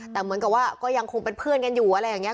แต่เหมือนกับว่าก็ยังคงเป็นเพื่อนกันอยู่อะไรอย่างนี้